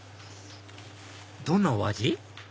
どんなお味？